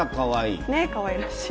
かわいらしい。